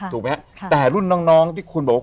ถูกมั้ยฮะแต่รุ่นน้องที่คุณบอกว่า